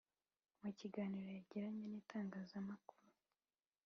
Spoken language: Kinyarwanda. Mu kiganiro yagiranye n’itangazamakuru